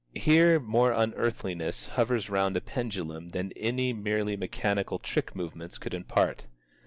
Here more unearthliness hovers round a pendulum than any merely mechanical trick movements could impart.